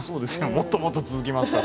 もっともっと続きますから。